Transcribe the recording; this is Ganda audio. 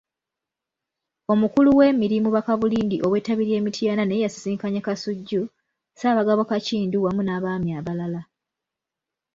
Omukulu w'emirimu Bakabulindi ow'ettabi ly'e Mityana naye yasisinkanye Kasujju, Ssaabagabo Kakindu wamu n'Abaami abalala.